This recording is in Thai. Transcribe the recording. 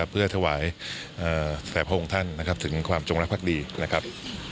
เพื่อถวายแด่พระองค์ท่านนะครับถึงความจงรักภักดีนะครับ